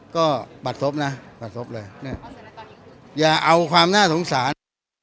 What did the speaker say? ก็ปัดศพนะปัดศพเลยเนี่ยอย่าเอาความน่าสงสาร